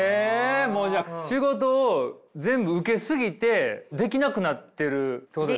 もうじゃあ仕事を全部受け過ぎてできなくなってるってことですね。